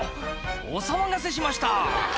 「お騒がせしました」